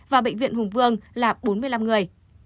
và bệnh viện hùng vương là bốn mươi năm người